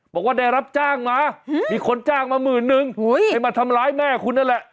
บอกว่าได้รับจ้างมามีคนจ้างมาหมื่นนึงให้มาทำร้ายแม่คุณนั่นแหละ